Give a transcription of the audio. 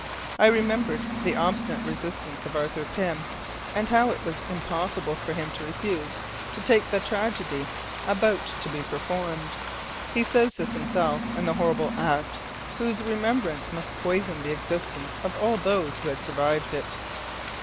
I remembered the obstinate resistance of Arthur Pym, and how it was impossible for him to refuse to take his part in the tragedy about to be performed he says this himself and the horrible act whose remembrance must poison the existence of all those who had survived it.